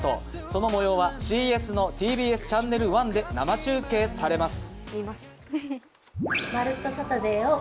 そのもようはＣＳのＴＢＳチャンネル１で生中継されます。